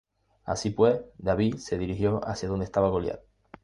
Así pues, David se dirigió hacia donde estaba Goliat.